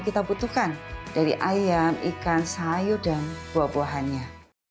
kita butuhkan dari ayam ikan sayur dan buah buahannya